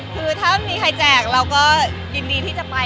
อ๋อคือถ้ามีใครแจกเราก็ยินดีที่จะไปอะค่ะ